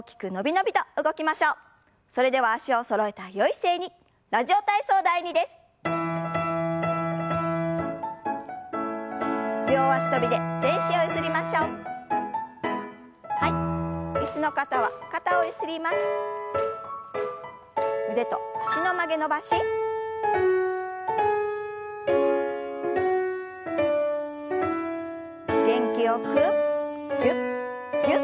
元気よくぎゅっぎゅっと。